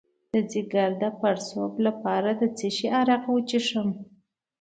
د ځیګر د پړسوب لپاره د څه شي عرق وڅښم؟